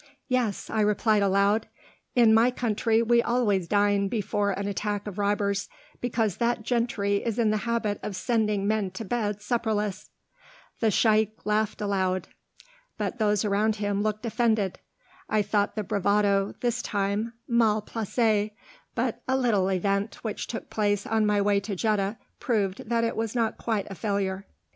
"Yes," I replied aloud, "in my country we always dine before an attack of robbers, because that gentry is in the habit of sending men to bed supperless." The Shaykh laughed aloud, but those around him looked offended. I thought the bravado this time mal placé; but a little event which took place on my way to Jeddah proved that it was not quite a failure.